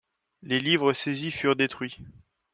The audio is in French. Les livres saisis furent détruits.